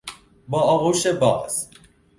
با آغوش باز